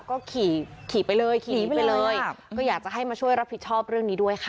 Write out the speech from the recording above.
ก็ขี่ขี่ไปเลยขี่หนีไปเลยครับก็อยากจะให้มาช่วยรับผิดชอบเรื่องนี้ด้วยค่ะ